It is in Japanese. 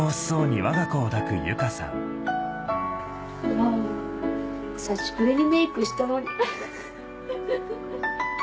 もう久しぶりにメイクしたのに。